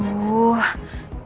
jangan menjenguk mbak andin